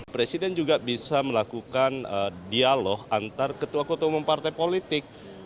presiden juga bisa melakukan dialog antar ketua ketua umum partai politik